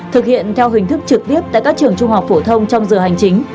thực hiện theo hình thức trực tiếp tại các trường trung học phổ thông trong giờ hành chính